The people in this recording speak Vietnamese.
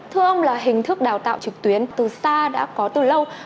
thưa ông là hình thức đào tạo trực tuyến từ xa đã có từ lâu